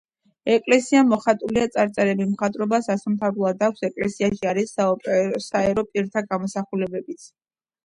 ეკლესია მოხატულია, წარწერები მხატვრობას ასომთავრულად აქვს, ეკლესიაში არის საერო პირთა გამოსახულებებიც.